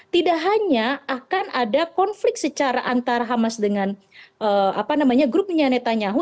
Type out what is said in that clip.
tidak hanya akan ada konflik secara antara hamas dengan grupnya netanyahu